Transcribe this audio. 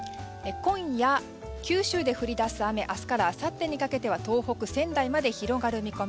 今夜、九州で降り出す雨明日からあさってにかけては東北・仙台に広がる見込み。